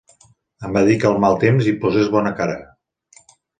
Em va dir que al mal temps hi posés bona cara.